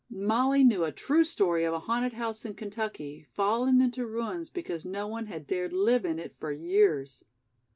Molly knew a true story of a haunted house in Kentucky, fallen into ruins because no one had dared live in it for years.